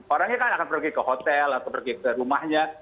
orangnya kan akan pergi ke hotel atau pergi ke rumahnya